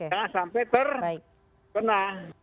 jangan sampai terkena